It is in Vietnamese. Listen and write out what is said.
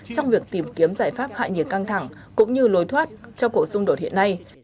trong việc tìm kiếm giải pháp hại nhiệt căng thẳng cũng như lối thoát cho cuộc xung đột hiện nay